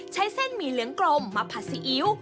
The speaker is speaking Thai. ใช้เส้นหมี่เหลืองกลมมาผัดซีอิ๊ว